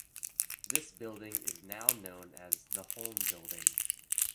This building is now known as the Holme Building.